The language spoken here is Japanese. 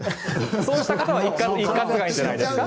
そうした方は一括がいいんじゃないですか。